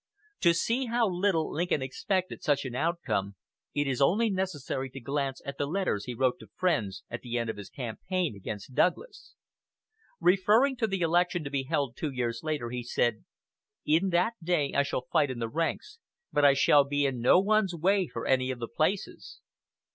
To see how little Lincoln expected such an outcome it is only necessary to glance at the letters he wrote to friends at the end of his campaign against Douglas. Referring to the election to be held two years later, he said, "In that day I shall fight in the ranks, but I shall be in no one's way for any of the places."